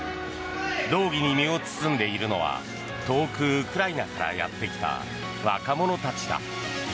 道着に身を包んでいるのは遠く、ウクライナからやってきた若者たちだ。